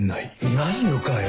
ないのかよ